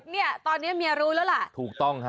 เนี่ยตอนนี้เมียรู้แล้วล่ะถูกต้องฮะ